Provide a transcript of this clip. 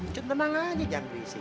cuma tenang aja jangan berisik